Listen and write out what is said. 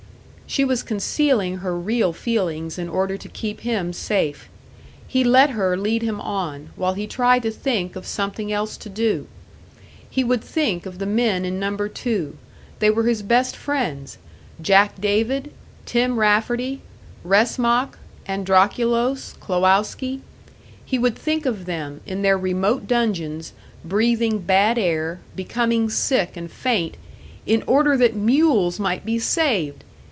She was concealing her real feelings in order to keep him safe; he let her lead him on, while he tried to think of something else to do. He would think of the men in Number Two; they were his best friends, Jack David, Tim Rafferty, Wresmak, Androkulos, Klowoski. He would think of them, in their remote dungeons breathing bad air, becoming sick and faint in order that mules might be saved!